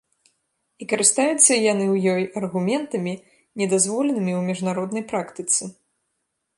І карыстаюцца яны ў ёй аргументамі, недазволенымі ў міжнароднай практыцы.